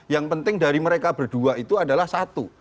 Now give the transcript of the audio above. yang penting dari mereka berdua itu adalah satu